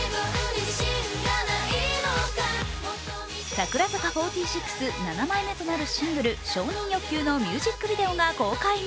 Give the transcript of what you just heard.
櫻坂４６、７枚目となるシングル「承認欲求」のミュージックビデオが公開に。